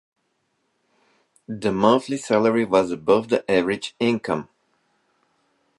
The monthly salary was above the average income.